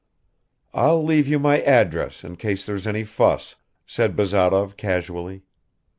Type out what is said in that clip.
"I'll leave you my address, in case there's any fuss," said Bazarov casually.